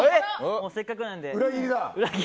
せっかくなので。